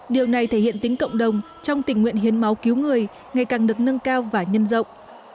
điều này thể hiện tính cộng đồng trong tình nguyện hiến máu cứu người ngày càng được nâng cao và nhân rộng